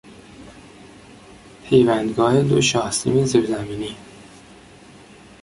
پیوندگاه دو شاهسیم زیرزمینی